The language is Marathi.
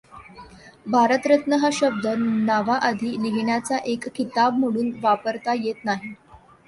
भारतरत्न हा शब्द नावाआधी लिहिण्याचा एक किताब म्हणून वापरता येत नाही.